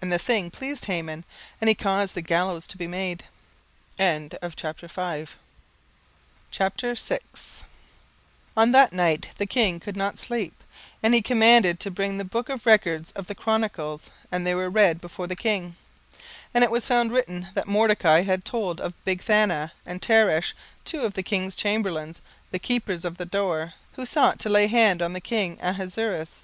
And the thing pleased Haman; and he caused the gallows to be made. 17:006:001 On that night could not the king sleep, and he commanded to bring the book of records of the chronicles; and they were read before the king. 17:006:002 And it was found written, that Mordecai had told of Bigthana and Teresh, two of the king's chamberlains, the keepers of the door, who sought to lay hand on the king Ahasuerus.